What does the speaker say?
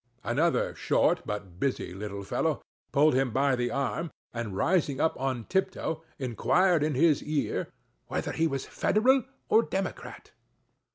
Another short but busy little fellow pulled him by the arm, and, rising on tiptoe, inquired in his ear, "Whether he was Federal or Democrat?"